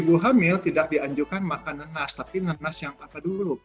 ibu hamil tidak dianjurkan makan nanas tapi nanas yang apa dulu